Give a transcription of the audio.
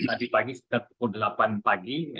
muncul tadi pagi sudah pukul delapan pagi